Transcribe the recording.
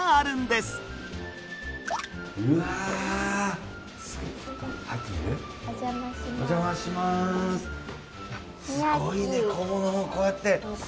すごいね小物もこうやって。